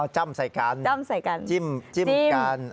จ้ำใส่กันจ้ำใส่กันจิ้มกัน